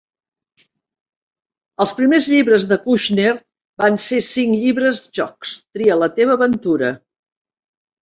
Els primers llibres de Kushner van ser cinc llibres jocs "Tria la teva aventura".